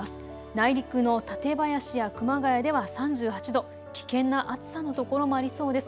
内陸の館林や熊谷では３８度、危険な暑さのところもありそうです。